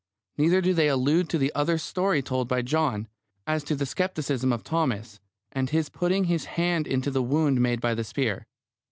Neither do they allude to the other story told by John, as to the scepticism of Thomas, and his putting his hand into the wound made by the spear.